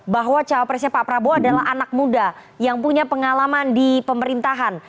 bahwa cawapresnya pak prabowo adalah anak muda yang punya pengalaman di pemerintahan